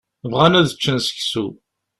Bɣan ad ččen seksu.